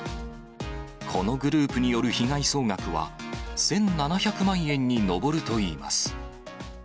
このグループによる被害総額は、１７００万円に上るといいます。